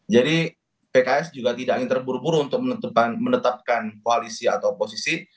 jadi pks juga tidak hanya terburu buru untuk menetapkan koalisi atau oposisi